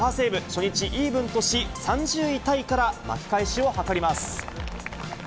初日、イーブンとし、３０位タイから巻き返しを図ります。